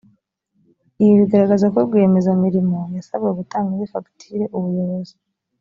ibi bigaragaza ko rwiyemezamirimo yasabwe gutanga indi fagitire ubuyobozi